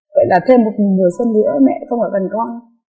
vậy là thêm một mùa xuân nữa mẹ không ở gần con